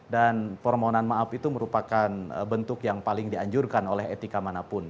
dan permohonan maaf itu merupakan bentuk yang paling dianjurkan oleh etika manapun